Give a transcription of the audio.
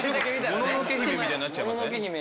『もののけ姫』みたいになっちゃいますね。